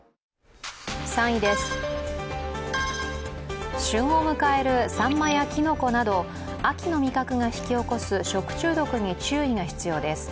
３位です、旬を迎えるさんまやきのこなど秋の味覚が引き起こす食中毒に注意が必要です。